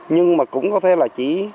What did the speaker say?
nhưng mà cũng có thể là chỉ